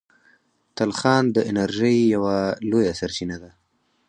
تلخان د انرژۍ یوه لویه سرچینه ده.